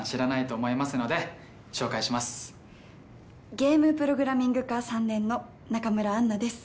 ゲームプログラミング科３年の中村杏奈です。